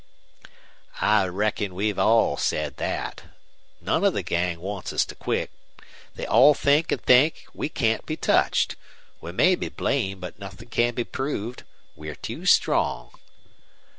"I reckon we've all said that. None of the gang wants to quit. They all think, and I think, we can't be touched. We may be blamed, but nothing can be proved. We're too strong."